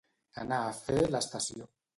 Anar a fer l'estació.